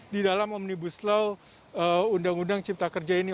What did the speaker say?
di dalam omnibus law undang undang cipta kerja ini